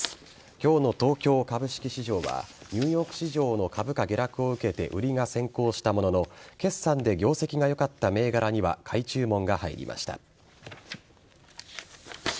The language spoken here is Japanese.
今日の東京株式市場はニューヨーク市場の株価下落を受けて売りが先行したものの決算で業績がよかった銘柄には買い注文が入りました。